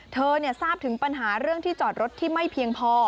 ทราบถึงปัญหาเรื่องที่จอดรถที่ไม่เพียงพอ